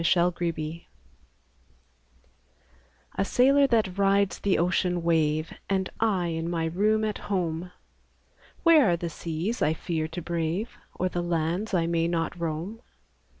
THE SAILOR A sailor that rides the ocean wave, Am I in my room at home : Where are the seas I iear to brave. Or the lands I may not roam?